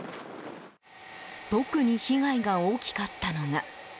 特に被害が大きかったのが。